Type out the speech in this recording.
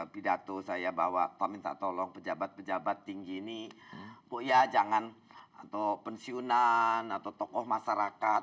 pidato saya bahwa kau minta tolong pejabat pejabat tinggi ini bu ya jangan atau pensiunan atau tokoh masyarakat